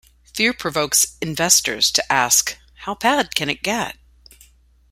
Fear provokes investors to ask: How bad can it get?